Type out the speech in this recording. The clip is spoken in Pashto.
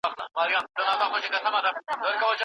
له تضاد او ګډوډۍ څخه بايد لاس واخيستل سي.